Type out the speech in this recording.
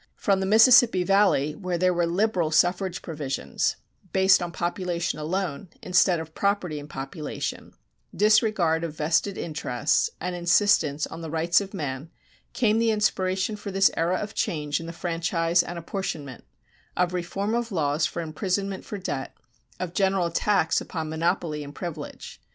From the Mississippi Valley where there were liberal suffrage provisions (based on population alone instead of property and population), disregard of vested interests, and insistence on the rights of man, came the inspiration for this era of change in the franchise and apportionment, of reform of laws for imprisonment for debt, of general attacks upon monopoly and privilege.